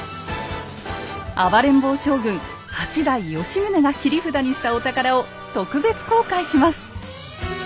暴れん坊将軍８代吉宗が切り札にしたお宝を特別公開します。